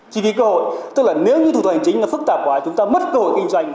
chi phí cơ hội tức là nếu như thủ tục hành chính nó phức tạp quá chúng ta mất cơ hội kinh doanh